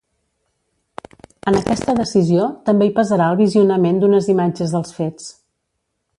En aquesta decisió també hi pesarà el visionament d’unes imatges dels fets.